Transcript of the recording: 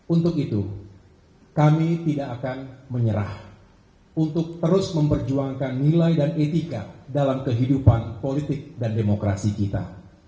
untuk itu kami tidak akan menyerah untuk terus memperjuangkan nilai dan etika dalam kehidupan politik dan demokrasi kita